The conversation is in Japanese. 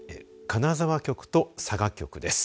金沢局と佐賀局です。